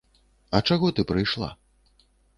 А чаго ты прыйшла?